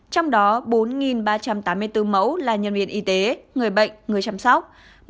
trong đó bốn ba trăm tám mươi bốn mẫu là nhân viên y tế người bệnh người chăm sóc